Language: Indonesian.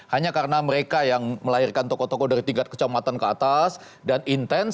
hanya karena mereka yang melahirkan tokoh tokoh dari tingkat kecamatan ke atas dan intens